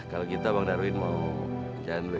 kalau gitu bang darwin mau jalan dulu ya